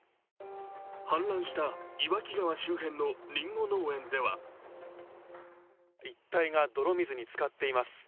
氾濫した岩木川周辺のりんご農園では一帯が泥水につかっています。